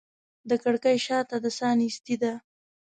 د کړکۍ شاته د ساه نیستي ده